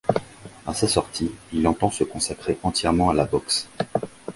À sa sortie, il entend se consacrer entièrement à la boxe.